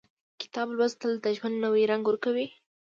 • کتاب لوستل، د ژوند نوی رنګ ورکوي.